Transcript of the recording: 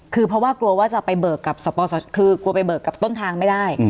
คือเพราะว่ากลัวว่าจะไปเบิกกับต้นทางไม่ได้